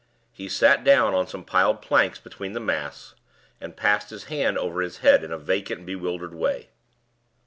He sat down on some piled planks between the masts, and passed his hand over his head in a vacant, bewildered way.